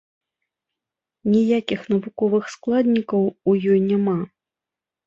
Ніякіх навуковых складнікаў у ёй няма.